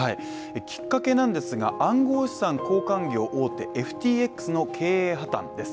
きっかけなんですが、暗号資産交換業大手・ＦＴＸの経営破綻です。